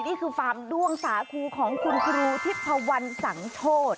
นี่คือฟาร์มด้วงสาครูของคุณครูที่ภาวร์วันสังโชษ